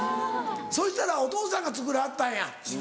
そしたらお父さんが作らはったんや。